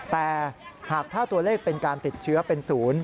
แต่หากถ้าตัวเลขเป็นการติดเชื้อเป็น๐